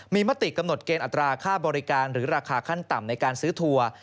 มีมติกำหนดเกณฑ์อัตราค่าบริการหรือราคาขั้นต่ำในการซื้อทัวร์